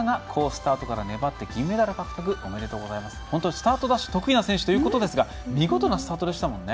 スタートダッシュ得意な選手ということですが見事なスタートでしたね。